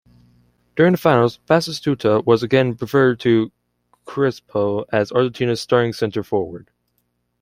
During the finals, Batistuta was again preferred to Crespo as Argentina's starting centre forward.